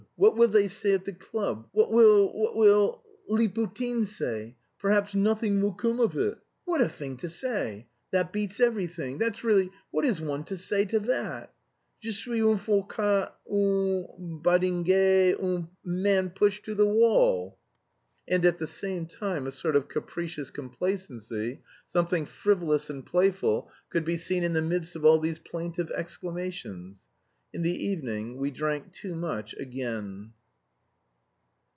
what will they say at the club? What will... what will... Laputin say? 'Perhaps nothing will come of it' what a thing to say! That beats everything. That's really... what is one to say to that?... Je suis un forçat, un Badinguet, un man pushed to the wall...." And at the same time a sort of capricious complacency, something frivolous and playful, could be seen in the midst of all these plaintive exclamations. In the evening we drank too much again.